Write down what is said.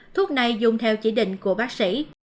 thuốc này dùng theo chỉ định của bác sĩ